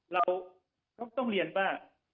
เราต้องเรียนว่า